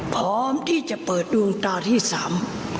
พร้อมที่จะเปิดดวงตาที่สาม